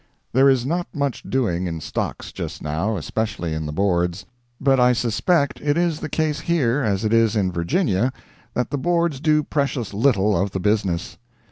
There is not much doing in stocks just now, especially in the Boards. But I suspect it is the case here as it is in Virginia, that the Boards do precious little of the business.